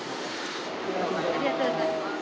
ありがとうございます。